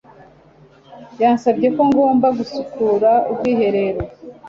Yansabye ko ngomba gusukura ubwiherero.